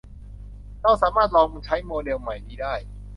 เราสามารถลองใช้โมเดลใหม่นี้ได้